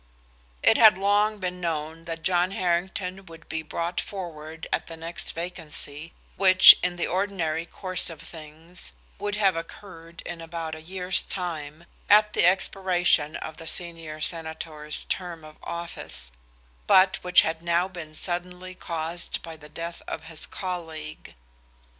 It had long been known that John Harrington would be brought forward at the next vacancy, which, in the ordinary course of things, would have occurred in about a year's time, at the expiration of the senior senator's term of office, but which had now been suddenly caused by the death of his colleague.